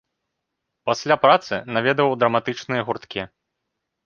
Пасля працы наведваў драматычныя гурткі.